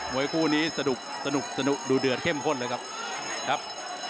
มวยกู้นี้สนุกสนุกสนุกดูเดือดเข้มข้นเลยครับ